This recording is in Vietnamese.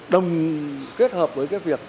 đồng kết hợp với cái việc